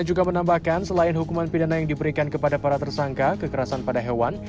juga menambahkan selain hukuman pidana yang diberikan kepada para tersangka kekerasan pada hewan